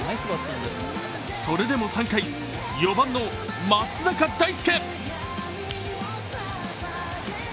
それでも３回、４番の松坂大輔。